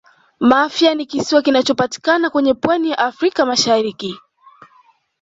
mafia ni kisiwa kinachopatikana kwenye pwani ya africa mashariki